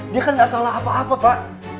dia kan nggak salah apa apa pak